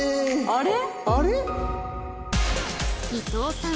あれ？